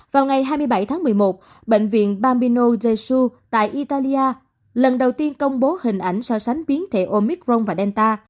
vào ngày hai mươi bảy tháng một mươi một bệnh viện bamino jesu tại italia lần đầu tiên công bố hình ảnh so sánh biến thể omicron và delta